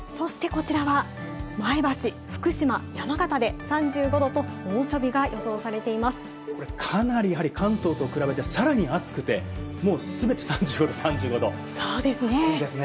そしてこちらは前橋、福島、山形で３５度と猛暑日が予想されかなり関東と比べてさらに暑くて、全て３５度、３５度、暑いですね。